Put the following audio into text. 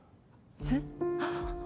えっ？